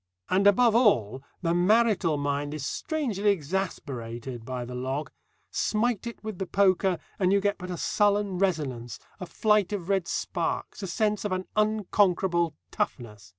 And, above all, the marital mind is strangely exasperated by the log. Smite it with the poker, and you get but a sullen resonance, a flight of red sparks, a sense of an unconquerable toughness.